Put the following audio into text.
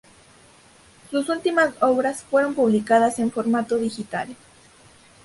Sus últimas obras fueron publicadas en formato digital.